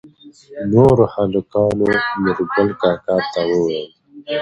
نوور هلکانو نورګل کاکا ته وويل